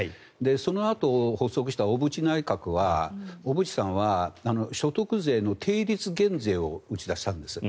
そのあと、発足した小渕内閣は小渕さんは所得税の定率減税を打ち出したんです。